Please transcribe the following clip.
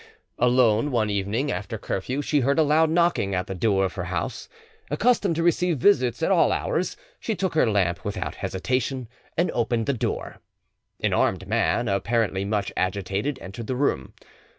Alone one evening after curfew, she heard a loud knocking at the door of her house. Accustomed to receive visits at all hours, she took her lamp without hesitation, and opened the door. An armed man, apparently much agitated, entered the room.